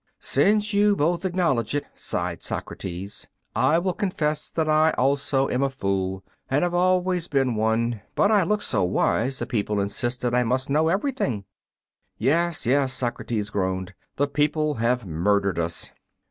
"Since you both acknowledge it," sighed Socrates, "I will confess that I also am a fool, and have always been one; but I looked so wise the people insisted I must know everything!" "Yes, yes," Sophocles groaned, "the people have murdered us!"